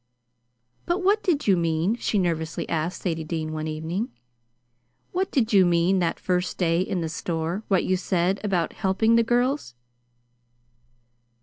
"But what did you mean?" she nervously asked Sadie Dean one evening; "what did you mean that first day in the store what you said about helping the girls?"